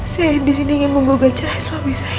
saya disini ingin menggugat cerai suami saya